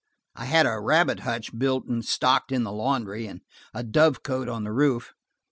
I had a rabbit hutch built and stocked in the laundry, and a dove cote on the roof.